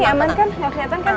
ini aman kan gak keliatan kan